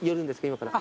今から。